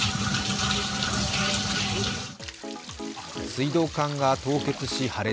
水道管が凍結し破裂。